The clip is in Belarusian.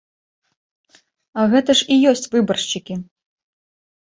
А гэта ж і ёсць выбаршчыкі!